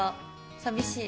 寂しい。